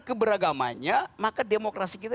keberagamanya maka demokrasi kita